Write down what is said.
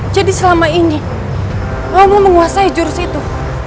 jadi selama ini romo menguasai jurus itu